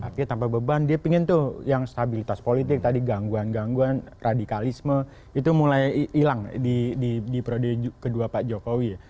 artinya tanpa beban dia ingin tuh yang stabilitas politik tadi gangguan gangguan radikalisme itu mulai hilang di periode kedua pak jokowi ya